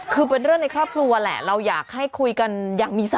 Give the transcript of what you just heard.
คือเป็นเรื่องในครอบครัวแหละเราอยากให้คุยกันอย่างมีสติ